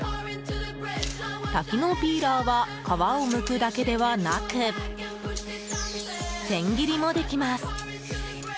多機能ピーラーは皮をむくだけではなく千切りもできます。